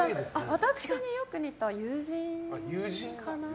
私によく似た友人かな。